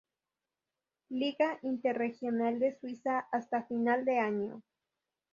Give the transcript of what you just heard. Liga Interregional de Suiza, hasta final de año.